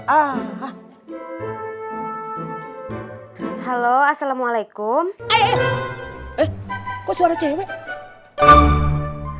eh lu udah ngomong maaf